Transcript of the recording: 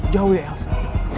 jauh ya elsa